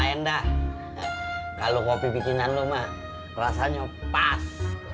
lain dah kalo kopi bikinan lu mah rasanya pas